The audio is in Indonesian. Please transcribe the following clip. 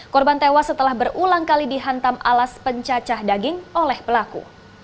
korban tewas setelah berulang kali dihantam alas pencacah daging oleh pelaku